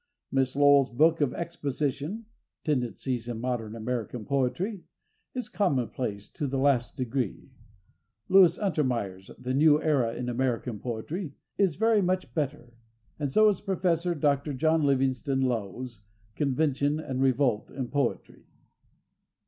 Miss Lowell's book of exposition, "Tendencies in Modern American Poetry," is commonplace to the last degree. Louis Untermeyer's "The New Era in American Poetry" is very much better. And so is Prof. Dr. John Livingston Lowes' "Convention and Revolt in Poetry."